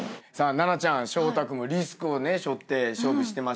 奈々ちゃん彰太君もリスクをしょって勝負してましたけど。